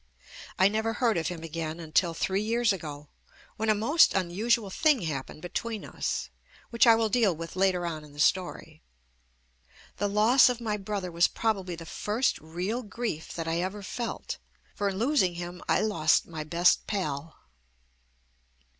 I never heard of him again until three years ago, when a most unusual thing happened between us, which I will deal with later on in the story. The loss of my brother was probably the first JUST ME real grief that I ever felt, for in losing him I lost my best pal.